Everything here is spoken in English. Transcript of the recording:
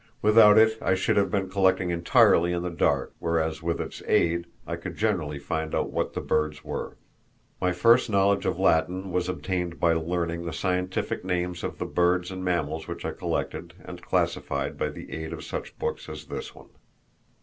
Without it I should have been collecting entirely in the dark, whereas with its aid I could generally find out what the birds were. My first knowledge of Latin was obtained by learning the scientific names of the birds and mammals which I collected and classified by the aid of such books as this one.